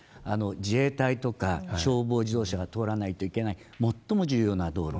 自衛隊とか消防自動車が通らないといけない、最も重要な道路。